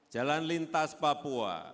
jalan lintas papua